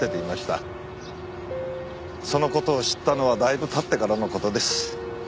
その事を知ったのはだいぶ経ってからの事です。